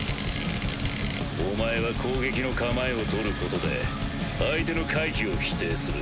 お前は攻撃の構えをとることで相手の回避を否定する。